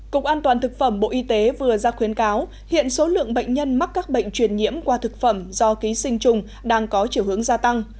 cục an toàn thực phẩm bộ y tế vừa ra khuyến cáo hiện số lượng bệnh nhân mắc các bệnh truyền nhiễm qua thực phẩm do ký sinh trùng đang có chiều hướng gia tăng